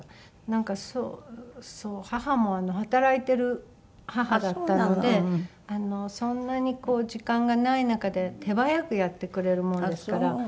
なんか母も働いてる母だったのでそんなに時間がない中で手早くやってくれるものですから。